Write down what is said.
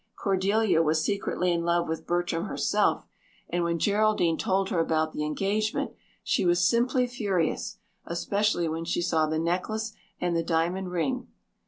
Cordelia was secretly in love with Bertram herself and when Geraldine told her about the engagement she was simply furious, especially when she saw the necklace and the diamond ring.